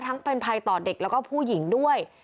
เป็นภัยต่อเด็กแล้วก็ผู้หญิงด้วย